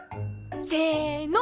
せの。